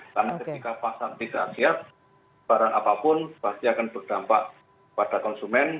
karena ketika pasar tidak siap barang apapun pasti akan berdampak pada konsumen